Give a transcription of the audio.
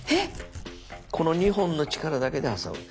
この２本の力だけで挟む。